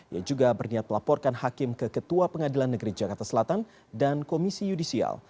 ia juga berniat melaporkan hakim ke ketua pengadilan negeri jakarta selatan dan komisi yudisial